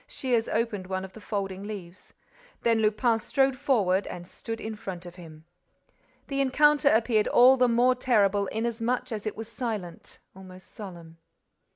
Shears opened one of the folding leaves. Then Lupin strode forward and stood in front of him. The encounter appeared all the more terrible inasmuch as it was silent, almost solemn.